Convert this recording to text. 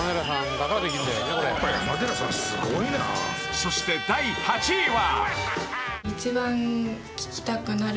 ［そして第８位は］